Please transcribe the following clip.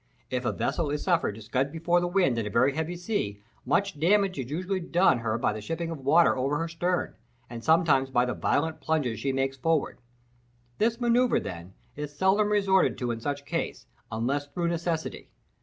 If a vessel be suffered to scud before the wind in a very heavy sea, much damage is usually done her by the shipping of water over her stern, and sometimes by the violent plunges she makes forward. This manoeuvre, then, is seldom resorted to in such case, unless through necessity.